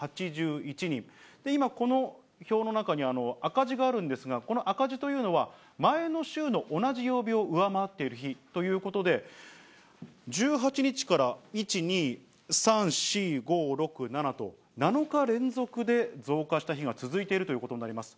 今、この表の中に赤字があるんですが、この赤字というのは、前の週の同じ曜日を上回っている日ということで、１８日から１、２、３、４、５、６、７と、７日連続で増加した日が続いているということになります。